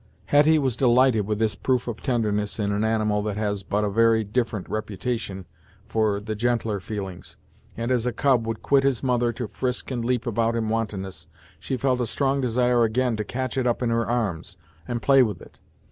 Hetty was delighted with this proof of tenderness in an animal that has but a very indifferent reputation for the gentler feelings, and as a cub would quit its mother to frisk and leap about in wantonness, she felt a strong desire again to catch it up in her arms, and play with it.